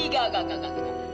gak gak gak